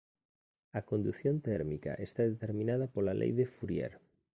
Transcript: A condución térmica está determinada pola lei de Fourier.